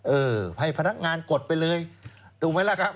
เออให้พนักงานกดไปเลยถูกไหมล่ะครับ